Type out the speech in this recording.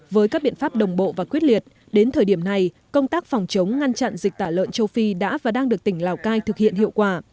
với các biện pháp đồng bộ và quyết liệt đến thời điểm này công tác phòng chống ngăn chặn dịch tả lợn châu phi đã và đang được tỉnh lào cai thực hiện hiệu quả